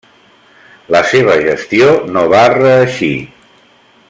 La seva gestió no va reeixir.